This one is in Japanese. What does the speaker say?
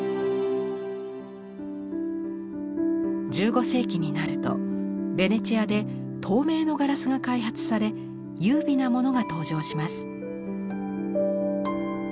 １５世紀になるとベネチアで透明のガラスが開発され優美なものが登場します。